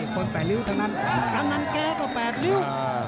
คน๘ริ้วทั้งนั้นกำนันแกก็๘นิ้ว